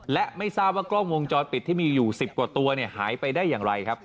และไม่ทราบว่ากล้องวงจรปิดที่มีอยู่๑๐กว่าตัวหายไปได้อย่างไรครับ